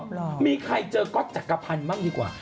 เหรอมีใครเจอก๊อตจักรพันธ์บ้างดีกว่า